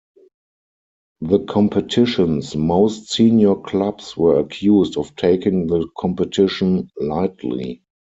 The competition's most senior clubs were accused of taking the competition lightly.